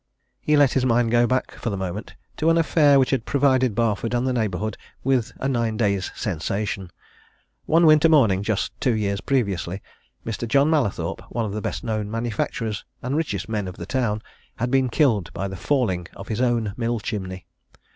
He let his mind go back for the moment to an affair which had provided Barford and the neighbourhood with a nine days' sensation. One winter morning, just two years previously, Mr. John Mallathorpe, one of the best known manufacturers and richest men of the town, had been killed by the falling of his own mill chimney.